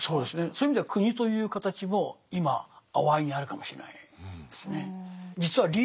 そういう意味では国という形も今あわいにあるかもしれないですね。